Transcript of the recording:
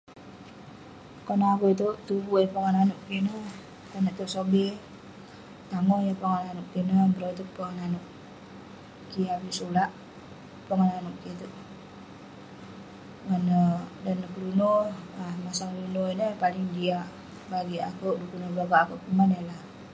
Konak akuek ituek tuvu yah pongah nanuek kik ineh konak tok sobe tagoh yah pogah nanuek kik ineh brotek pogah nanuek kik ineh tan neh sulak pogah nanuek kik ituek ngan neh ngeluno paling jiak bagik akuek dukuk neh monak akuek kuman